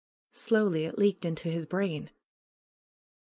Slowly it leaked into his brain.